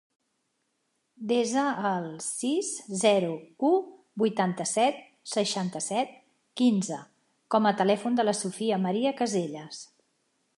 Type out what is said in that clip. Desa el sis, zero, u, vuitanta-set, seixanta-set, quinze com a telèfon de la Sofia maria Casellas.